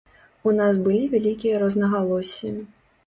У нас былі вялікія рознагалоссі.